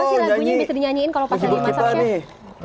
apa sih lagunya yang bisa dinyanyiin kalau pas lagi masak chef